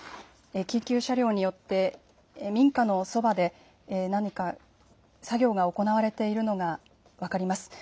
緊急車両によって民家のそばで何か作業が行われているのが分かります。